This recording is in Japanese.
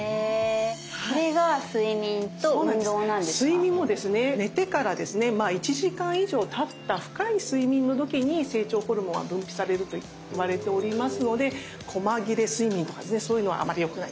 睡眠もですね寝てから１時間以上たった深い睡眠の時に成長ホルモンが分泌されるといわれておりますのでこま切れ睡眠とかそういうのはあまりよくないんですね。